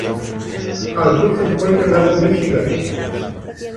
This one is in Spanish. Al sur se encuentra el lago Míchigan.